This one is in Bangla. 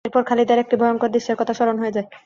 এরপর খালিদের একটি ভয়ঙ্কর দৃশ্যের কথা স্মরণ হয়ে যায়।